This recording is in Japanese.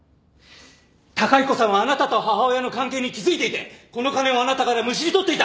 崇彦さんはあなたと母親の関係に気づいていてこの金をあなたからむしり取っていた。